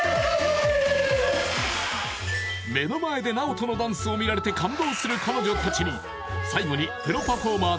目の前でＮＡＯＴＯのダンスを見られて感動する彼女たちに最後にプロパフォーマー